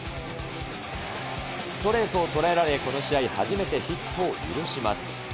ストレートを捉えられ、この試合、初めてヒットを許します。